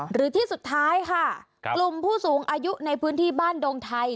หรือที่สุดท้ายค่ะกลุ่มผู้สูงอายุในพื้นที่บ้านดงไทย